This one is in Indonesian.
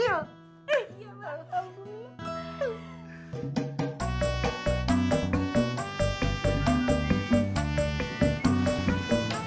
iya bang alhamdulillah